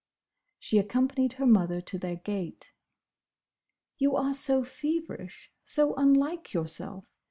She accompanied her mother to their gate. "You are so feverish—so unlike yourself—!